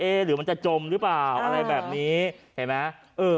หรือมันจะจมหรือเปล่าอะไรแบบนี้เห็นไหมเออ